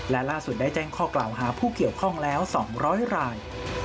และล่าสุดได้แจ้งข้อกล่าวหาผู้เกี่ยวข้องแล้ว๒๐๐ราย